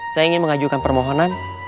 saya ingin mengajukan permohonan